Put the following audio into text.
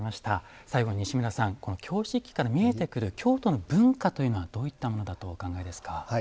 最後に西村さん京漆器から見えてくる京都の文化というのはどういったものだとお考えですか？